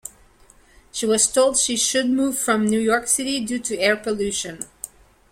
She was told she should move from New York City due to air pollution.